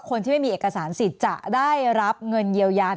คนที่ไม่มีเอกสารสิทธิ์จะได้รับเงินเยียวยา